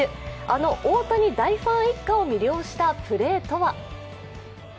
あの大谷大ファン一家を魅了したプレーとは？